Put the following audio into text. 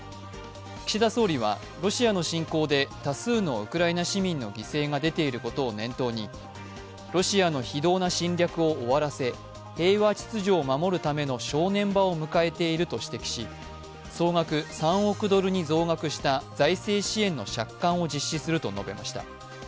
岸田総理はロシアの侵攻で多数のウクライナ市民の犠牲が出ていることを念頭にロシアの非道な侵略を終わらせ平和秩序を守るための正念場を迎えていると指摘し、総額３億ドルに増額した財政支援の借款を実施すると表明しました。